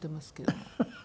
フフフ！